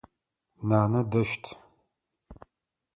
Нанэ дэщт.